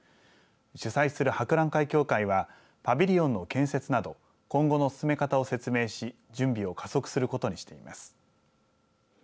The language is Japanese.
主催する博覧会協会はパビリオンの建設など今後の進め方を説明し準備を加速することにしています。